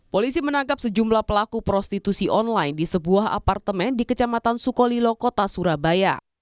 polisi menangkap sejumlah pelaku prostitusi online di sebuah apartemen di kecamatan sukolilo kota surabaya